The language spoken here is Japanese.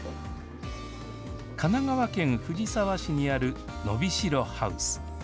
神奈川県藤沢市にあるノビシロハウス。